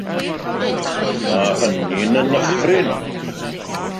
Mae hynny'n fy nychryn.